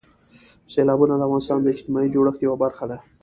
سیلابونه د افغانستان د اجتماعي جوړښت یوه برخه ده.